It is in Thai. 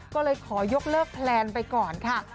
ก็เลยขอยกเลิกแพลนไปก่อนค่ะ